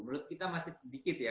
menurut kita masih sedikit ya